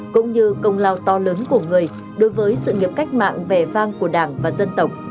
cũng như công lao to lớn của người đối với sự nghiệp cách mạng vẻ vang của đảng và dân tộc